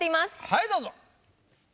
はいどうぞ。